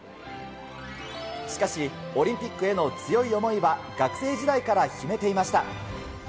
しかしオリンピックへの強い思いは学生時代から秘めていました。